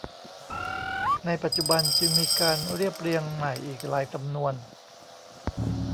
ในปัจจุบันจึงมีการเรียบเรียงใหม่อีกหลายสำนวน